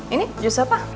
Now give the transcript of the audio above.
ini jus apa